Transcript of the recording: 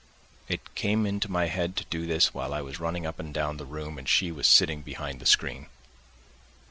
It came into my head to do this while I was running up and down the room and she was sitting behind the screen.